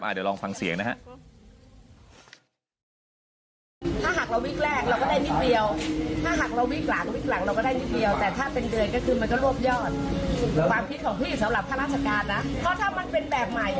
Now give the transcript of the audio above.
เดี๋ยวลองฟังเสียงนะฮะ